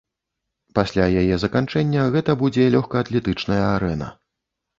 Пасля яе заканчэння гэта будзе лёгкаатлетычная арэна.